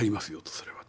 それはと。